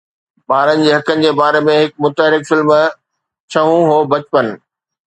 ٻارن جي حقن جي باري ۾ هڪ متحرڪ فلم، ڇهون هو بچپن